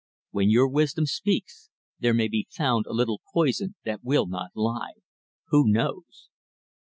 "When your wisdom speaks, there may be found a little poison that will not lie. Who knows?"